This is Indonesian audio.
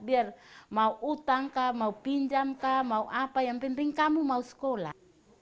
biar mau utang kah mau pinjam kah mau apa yang penting kamu mau sekolah